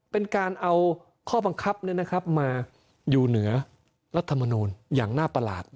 เป็นการเอาข้อบังคับมาอยู่เหนือรัฐมนูลอย่างน่าประหลาด